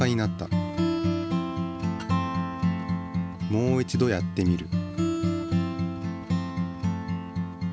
もう一度やってみる。